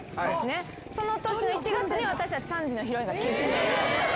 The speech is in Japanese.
その年の１月に私たち３時のヒロインが結成。